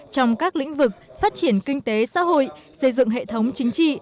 trong các lĩnh vực phát triển kinh tế xã hội xây dựng hệ thống chính trị